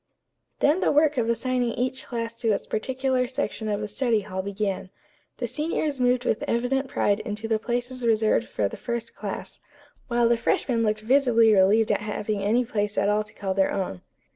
Then the work of assigning each class to its particular section of the study hall began. The seniors moved with evident pride into the places reserved for the first class, while the freshmen looked visibly relieved at having any place at all to call their own.